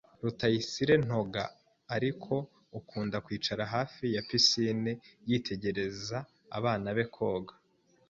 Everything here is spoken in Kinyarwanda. Rutayisire ntoga, ariko akunda kwicara hafi ya pisine yitegereza abana be koga.